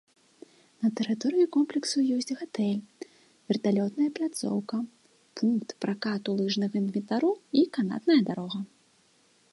На тэрыторыі комплексу ёсць гатэль, верталётная пляцоўка, пункт пракату лыжнага інвентару і канатная дарога.